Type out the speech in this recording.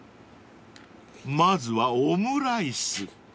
［まずはオムライス］